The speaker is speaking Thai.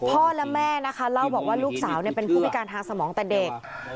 พ่อและแม่นะคะเล่าบอกว่าลูกสาวเป็นผู้พิการทางสมองแต่เด็ก